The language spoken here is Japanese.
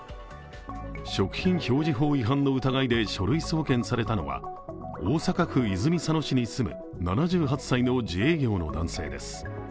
食品表示法違反の疑いで書類送検されたのは大阪府泉佐野市に住む７８歳の自営業の男性です。